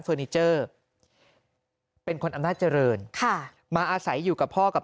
เฟอร์นี้เจอเป็นคนอ้ำนาศ์เจริญค่ะมาอาศัยอยู่กับพ่อกับ